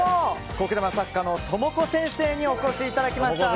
苔玉作家のＴＯＭＯＫＯ．先生にお越しいただきました。